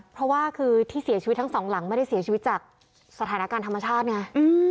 เพราะว่าคือที่เสียชีวิตทั้งสองหลังไม่ได้เสียชีวิตจากสถานการณ์ธรรมชาติไง